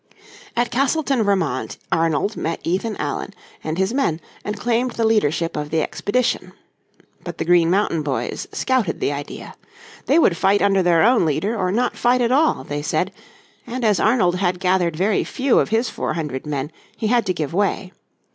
At Castleton, Vermont, Arnold met Ethan Allen and his men, and claimed the leadership of the expedition. But the Green Mountain Boys scouted the idea. They would fight under their own leader or not fight at all, they said, and as Arnold had gathered very few of his four hundred men he had to give way.